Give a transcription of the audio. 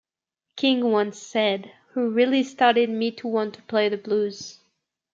King once said, who really started me to want to play the blues.